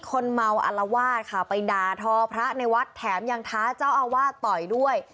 คนเมาอลวาดค่ะไปด่าทอพระในวัดแถมยังท้าเจ้าอาวาสต่อยด้วย